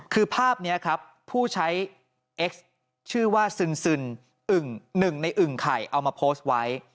คือภาพเนี่ยครับผู้ใช้ชื่อว่าซึนหนึ่งในอึ่งไข่เอามาโพสต์ไว้